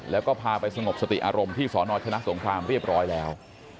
แล้วก็พาไปสงบสติอารมณ์ที่สนชนะสงครามเรียบร้อยแล้ว